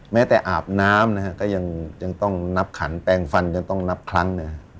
แม้แต่อาบน้ำนะฮะก็ยังต้องนับขันแปลงฟันยังต้องนับครั้ง